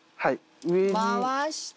回して。